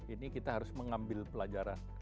ini kita harus mengambil pelajaran